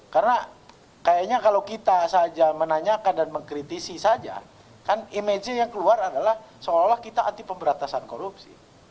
karena kayaknya kalau kita saja menanyakan dan mengkritisi saja kan image yang keluar adalah seolah olah kita anti pemberantasan korupsi